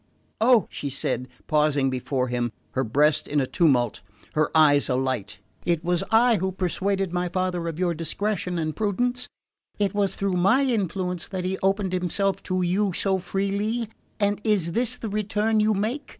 Oh," she said, pausing before him, her breast in a tumult, her eyes alight, "it was I who persuaded my father of your discretion and prudence, it was through my influence that he opened himself to you so freely; and is this the return you make?